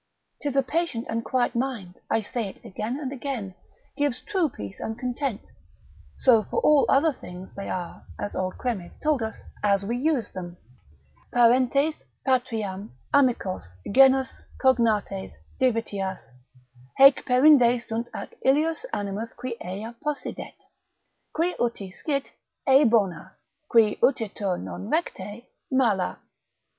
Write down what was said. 'Tis a patient and quiet mind (I say it again and again) gives true peace and content. So for all other things, they are, as old Chremes told us, as we use them. Parentes, patriam, amicos, genus, cognates, divitias, Haec perinde sunt ac illius animus qui ea possidet; Qui uti scit, ei bona; qui utitur non recte, mala.